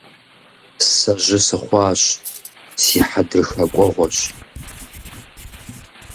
Сэ жьы сыхъуащ, си хьэдрыхэ кӀуэгъуэщ.